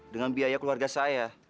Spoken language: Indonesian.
dengan biaya keluarga saya